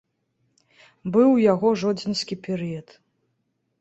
Быў у яго жодзінскі перыяд.